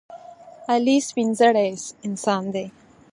علي سپینزړی انسان دی.